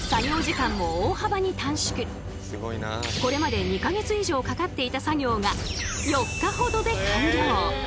これまで２か月以上かかっていた作業が４日ほどで完了。